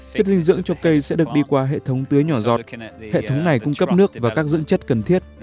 chất dinh dưỡng cho cây sẽ được đi qua hệ thống tưới nhỏ giọt hệ thống này cung cấp nước và các dưỡng chất cần thiết